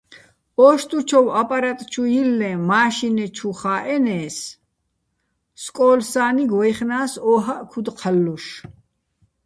ო́შტუჩოვ აპარატ ჩუ ჲილლეჼ, მა́შინე ჩუ ხა́ჸენე́ს, სკო́ლ სა́ნიგო̆ ვაჲხნა́ს ო́ჰაჸ ქუდ ჴალლუშ.